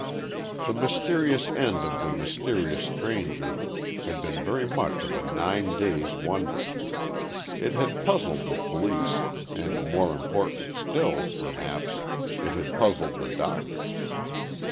The mysterious end of the mysterious stranger had been very much of a nine days' wonder. It had puzzled the police, and, more important still, perhaps, it had puzzled the doctors.